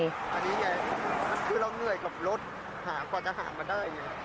นี่คือเราเหนื่อยของรถกว่าจะหามาได้